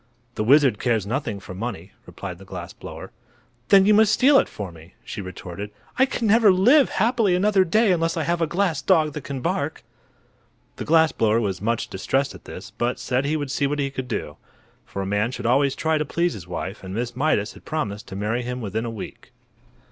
"The wizard cares nothing for money," replied the glass blower. "Then you must steal it for me," she retorted. "I can never live happily another day unless I have a glass dog that can bark." The glass blower was much distressed at this, but said he would see what he could do. For a man should always try to please his wife, and Miss Mydas has promised to marry him within a week.